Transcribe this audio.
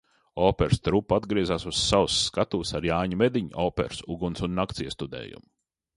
"Operas trupa atgriezās uz savas skatuves ar Jāņa Mediņa operas "Uguns un nakts" iestudējumu."